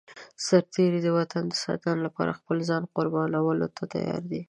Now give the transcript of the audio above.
سرتېری د وطن د ساتنې لپاره خپل ځان قربانولو ته تيار دی.